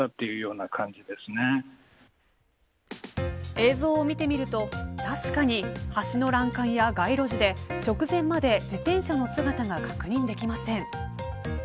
映像を見てみると、確かに橋の欄干や街路樹で直前まで自転車の姿が確認できません。